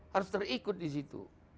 harus terikut di situ